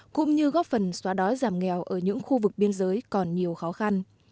cũng như góp phần xóa đói giảm nghèo ở những khu vực biên giới còn nhiều khó khăn